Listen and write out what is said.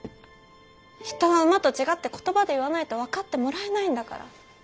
人は馬と違って言葉で言わないと分かってもらえないんだから。